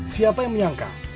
siapa yang menyangka